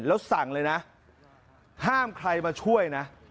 แล้วสั่งเลยนะห้ามใครมาช่วยนะ